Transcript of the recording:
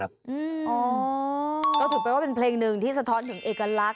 ก็ถือเป็นว่าเป็นเพลงหนึ่งที่สะท้อนถึงเอกลักษ